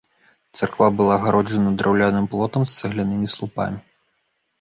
Царква была агароджана драўляным плотам з цаглянымі слупамі.